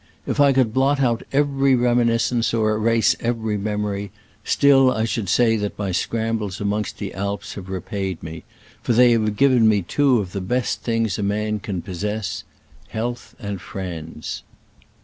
If I could blot out every reminis cence or erase every memory, still I should say that my scrambles amongst the Alps have repaid me, for they have given me two of the best things a man can possess — health and friends.